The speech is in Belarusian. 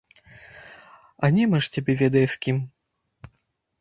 А немач цябе ведае, з кім!